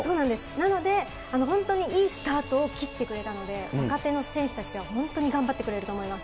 なので、本当にいいスタートを切ってくれたので、若手の選手たちは本当に頑張ってくれると思います。